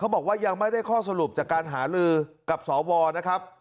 บอกว่ายังไม่ได้ข้อสรุปจากการหาลือกับสวนะครับ